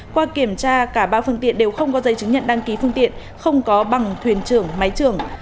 qua kiểm tra cả ba phương tiện đều không có giấy chứng nhận đăng ký phương tiện không có bằng thuyền trưởng máy trưởng